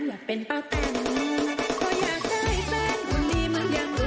โตดนังให้ลุงพลทุกคนให้กำลังไกร